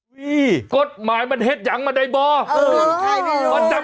นี่กฎหมายมันเฮ็ดอย่างมันได้บ้าเออเออเออเออเออเออ